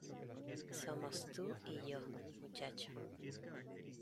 Somos tú y yo, muchacho.